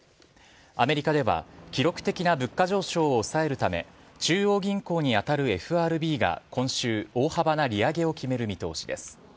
アメリカでは記録的な物価上昇を抑えるため、中央銀行に当たるＦＲＢが、今週、大幅な利上げを決める見通しです。